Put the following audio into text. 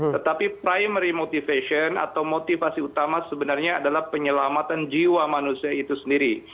tetapi primary motivation atau motivasi utama sebenarnya adalah penyelamatan jiwa manusia itu sendiri